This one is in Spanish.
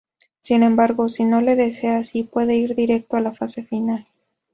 Sin embargo, si no lo desea así, puede ir directo a la fase final.